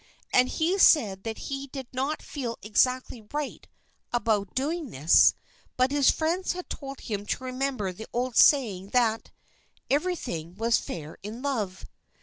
And he said that he did not feel exactly right about doing this, but his friends had told him to remember the old saying that "everything was fair in love."